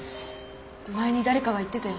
前にだれかが言ってたよ。